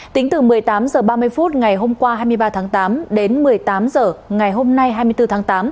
tính từ một mươi tám h ba mươi phút ngày hôm qua hai mươi ba tháng tám đến một mươi tám h ngày hôm nay hai mươi bốn tháng tám